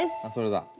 あっそれだ。